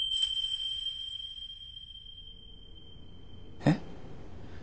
えっ？